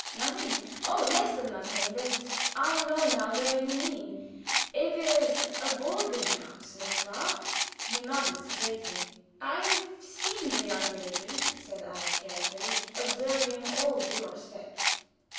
"Nothing oh, less than nothing. But I know now where you mean. It is a boarding house, nicht wahr?" He nodded sedately. "I have seen the young lady," said I, carefully observing all due respect.